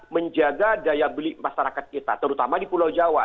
menjaga daya beli masyarakat kita terutama di pulau jawa